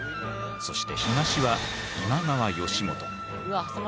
そして東は今川義元。